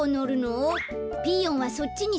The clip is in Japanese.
ピーヨンはそっちにすわって。